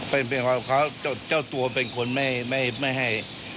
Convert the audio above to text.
เป็นความเขาเจ้าตัวเป็นคนไม่ให้